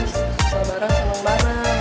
selama barang selama barang